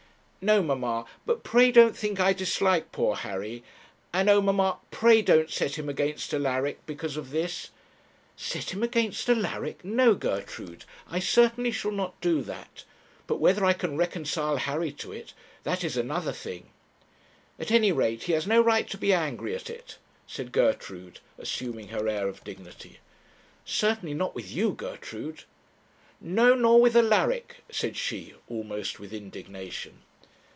'No, mamma; but pray don't think I dislike poor Harry; and, oh! mamma, pray don't set him against Alaric because of this ' 'Set him against Alaric! No, Gertrude. I certainly shall not do that. But whether I can reconcile Harry to it, that is another thing.' 'At any rate he has no right to be angry at it,' said Gertrude, assuming her air of dignity. 'Certainly not with you, Gertrude.' 'No, nor with Alaric,' said she, almost with indignation.